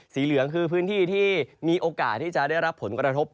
สีเหลืองคือพื้นที่ที่มีโอกาสที่จะได้รับผลกระทบ